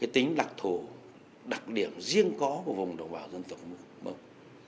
tính đặc thù đặc điểm riêng có của vùng đồng bào dân tộc mông